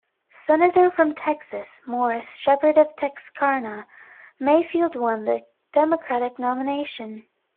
Senator from Texas, Morris Sheppard of Texarkana, Mayfield won the Democratic nomination.